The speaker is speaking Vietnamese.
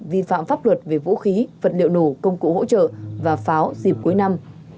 vi phạm pháp luật về vũ khí vật liệu nổ công cụ hỗ trợ và pháo dịp cuối năm